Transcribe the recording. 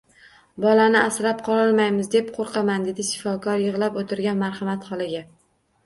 Bolani asrab qololmaymiz deb qo`rqaman, dedi shifokor yig`lab o`tirgan Marhamat xolaga